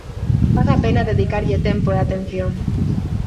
Paga a pena dedicarlle tempo e atención.